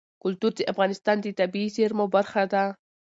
کلتور د افغانستان د طبیعي زیرمو برخه ده.